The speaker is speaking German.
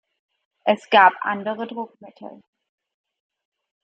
Es gab andere Druckmittel.